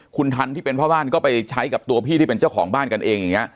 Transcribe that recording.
คุณทันที่เป็นพ่อบ้านก็ไปใช้กับตัวพี่ที่เป็นเจ้าของบ้านกันเองอย่างนี้